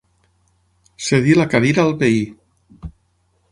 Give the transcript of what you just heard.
Cedir la cadira al veí.